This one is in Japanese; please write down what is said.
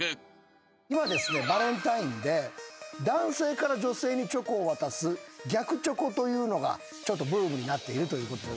今バレンタインで男性から女性にチョコを渡す逆チョコというのがちょっとブームになっていると。